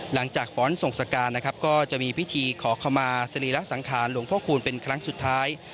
ฟ้อนส่งสการนะครับก็จะมีพิธีขอขมาสรีระสังขารหลวงพ่อคูณเป็นครั้งสุดท้าย